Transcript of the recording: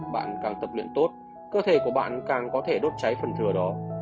bạn càng tập luyện tốt cơ thể của bạn càng có thể đốt cháy phần thừa đó